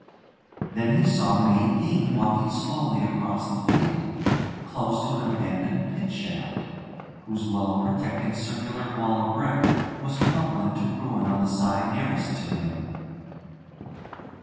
Then he saw May Deane walking slowly across the field, close to an abandoned pit shaft, whose low protecting circular wall of brick was crumbling to ruin on the side nearest to him.